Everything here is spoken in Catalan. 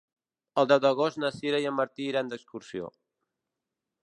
El deu d'agost na Sira i en Martí iran d'excursió.